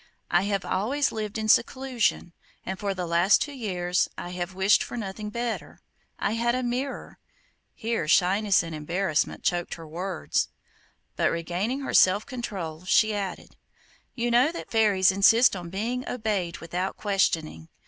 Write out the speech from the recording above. I have always lived in seclusion, and for the last two years I have wished for nothing better. I had a mirror' here shyness and embarrassment choked her words but regaining her self control, she added, 'You know that fairies insist on being obeyed without questioning.